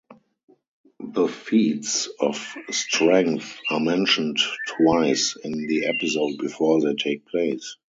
The Feats of Strength are mentioned twice in the episode before they take place.